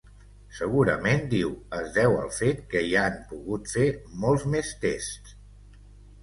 Segurament, diu, es deu al fet que hi han pogut fer molts més tests.